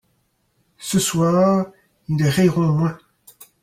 Ce soir ils riront moins.